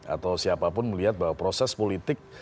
atau siapapun melihat bahwa proses politik